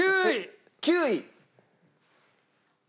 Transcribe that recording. ９位。